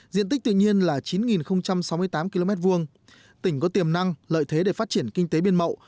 diện tích tự nhiên là chín sáu mươi tám km hai tỉnh có tiềm năng lợi thế để phát triển kinh tế biên mậu